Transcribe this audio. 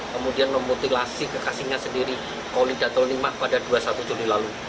kemudian memutilasi kekasihnya sendiri kolidato limah pada dua puluh satu juli lalu